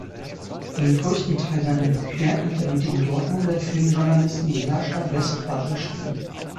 Den größten Teil seiner Bücher hat er mit dem Dortmunder Filmjournalisten Sascha Westphal geschrieben.